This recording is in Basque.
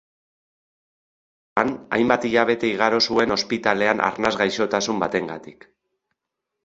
Haurtzaroan, hainbat hilabete igaro zuen ospitalean arnas gaixotasun batengatik.